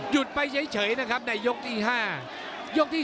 หยุดไปเฉยนะคะในยกที่สี่